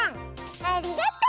ありがとう。